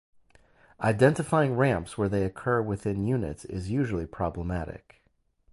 Identifying ramps where they occur within units is usually problematic.